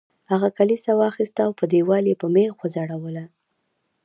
هغې کلیزه واخیسته او په دیوال یې په میخ وځړوله